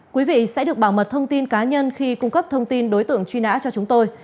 quý vị sẽ được bảo mật thông tin cá nhân khi cung cấp thông tin đối tượng truy nã cho chúng tôi